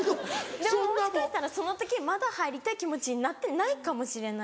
でもお家帰ったらその時まだ入りたい気持ちになってないかもしれない。